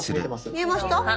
見えました？